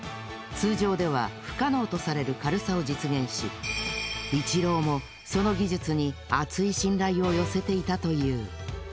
通常では不可能とされる軽さを実現しイチローもその技術にあつい信頼を寄せていたという。